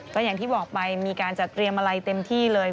ก็อย่างที่บอกไปมีการจัดเตรียมอะไรเต็มที่เลย